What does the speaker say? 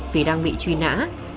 vì đang bị truy nã